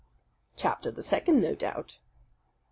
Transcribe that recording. "Chapter the second, no doubt."